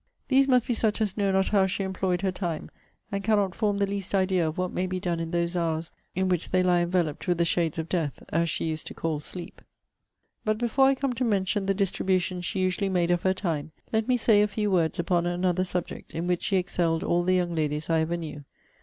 These must be such as know not how she employed her time; and cannot form the least idea of what may be done in those hours in which they lie enveloped with the shades of death, as she used to call sleep. But before I come to mention the distribution she usually made of her time, let me say a few words upon another subject, in which she excelled all the young ladies I ever knew.